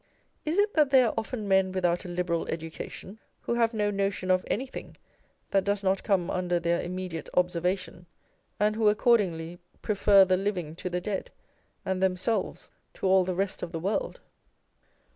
Is it that they are often men without a liberal education, who have no notion of anything that does not come under their immediate observation, and who accordingly prefer the living to the dead, and themselves to all the rest of the world